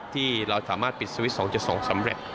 ที่เราสามารถปิดสวิตช์๒๒สำเร็จ